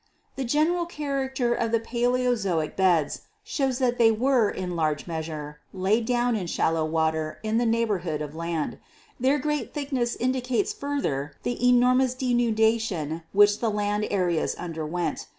"The general character of the Paleozoic beds shows that they were, in large measure, laid down in shallow water in the neighborhood of land. Their great thickness indi cates further the enormous denudation which the land areas underwent.